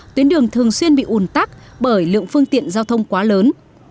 tuyến đường thường xuyên bị ùn tắc bởi lượng phương tiện giao thông quá lớn